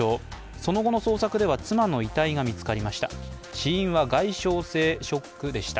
その後の捜索では妻の遺体が見つかりました。